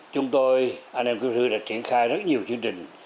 chúng tôi anh em kiếp sư đã triển khai rất nhiều chương trình